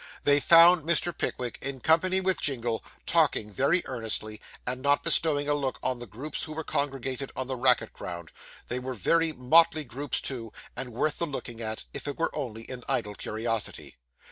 They found Mr. Pickwick, in company with Jingle, talking very earnestly, and not bestowing a look on the groups who were congregated on the racket ground; they were very motley groups too, and worth the looking at, if it were only in idle curiosity.